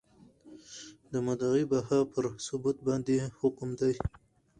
د مدعی بها پر ثبوت باندي حکم دی ؟